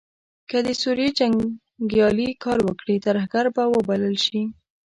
که د سوریې جنګیالې کار وکړي ترهګر به وبلل شي.